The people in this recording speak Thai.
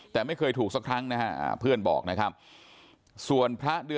แต่ไม่เคยถูกสักครั้งนะฮะเพื่อนบอกนะครับ